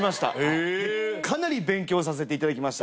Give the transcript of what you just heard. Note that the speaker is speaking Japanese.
へぇかなり勉強させていただきました